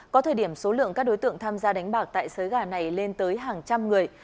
có thời điểm số lượng các đối tượng tham gia đánh bạc tại sới gà này lên tới hàng trăm người